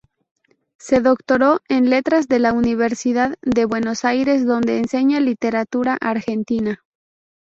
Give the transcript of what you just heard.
Se doctoró en letras en la Universidad de Buenos Aires donde enseña literatura argentina.